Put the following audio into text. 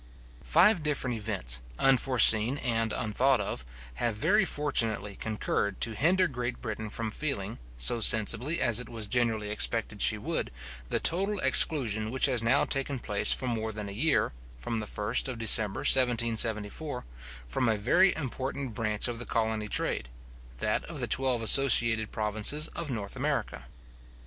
Five different events, unforeseen and unthought of, have very fortunately concurred to hinder Great Britain from feeling, so sensibly as it was generally expected she would, the total exclusion which has now taken place for more than a year (from the first of December 1774) from a very important branch of the colony trade, that of the twelve associated provinces of North America.